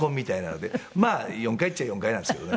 まあ４回っちゃ４回なんですけどね。